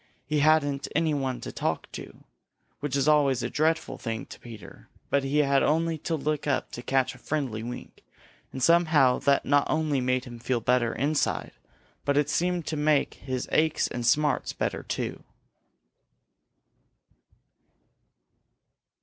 He hadn't anybody to talk to, which is always a dreadful thing to Peter, but he had only to look up to catch a friendly wink, and somehow that not only made him feel better inside but it seemed to make his aches and smarts better too.